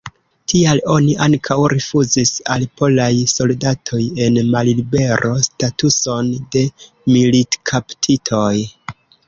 Tial oni ankaŭ rifuzis al polaj soldatoj en mallibero statuson de militkaptitoj.